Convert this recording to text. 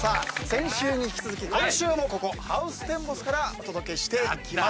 先週に引き続き今週もここハウステンボスからお届けしていきます。